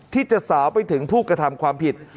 ที่จะสาวไปถึงผู้กระทำความผิด